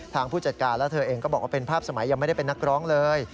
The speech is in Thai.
ผู้จัดการและเธอเองก็บอกว่าเป็นภาพสมัยยังไม่ได้เป็นนักร้องเลย